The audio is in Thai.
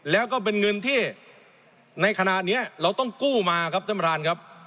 แล้วก็เป็นเงินที่ในขณะนี้เราต้องกู้มาครับท่านประธานครับ